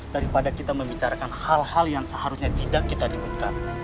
daripada kita membicarakan hal hal yang seharusnya tidak kita ributkan